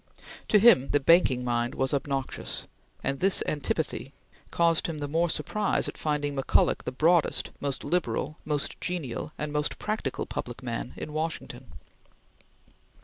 To him, the banking mind was obnoxious; and this antipathy caused him the more surprise at finding McCulloch the broadest, most liberal, most genial, and most practical public man in Washington.